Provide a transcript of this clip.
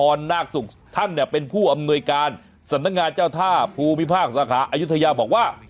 ผีระทรนากศุกร์ท่านนี่เป็นผู้อำนวยการสรรทินทร์งานเจ้าท่าภูมิภาคสาขาอายุทยาบอกว่ะ